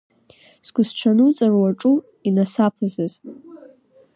Сгәысҽануҵарц уаҿу, инасаԥысыз?